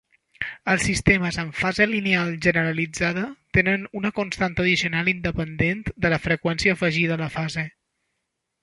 Els sistemes amb fase lineal generalitzada tenen una constant addicional independent de la freqüència afegida a la fase.